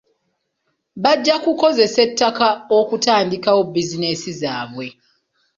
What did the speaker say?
Bajja kukozesa ettaka okutandikawo bizinensi zaabwe.